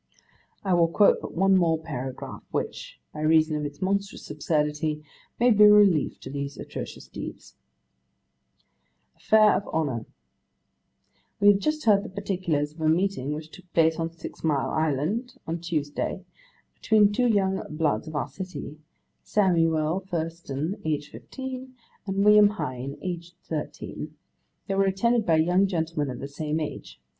I will quote but one more paragraph, which, by reason of its monstrous absurdity, may be a relief to these atrocious deeds. 'Affair of Honour. 'We have just heard the particulars of a meeting which took place on Six Mile Island, on Tuesday, between two young bloods of our city: Samuel Thurston, aged fifteen, and William Hine, aged thirteen years. They were attended by young gentlemen of the same age.